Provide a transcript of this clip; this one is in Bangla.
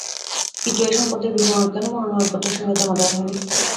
কিন্তু এ সম্পদের বিবরণ কেন মনোনয়নপত্রের সঙ্গে জমা দেওয়া হয়নি?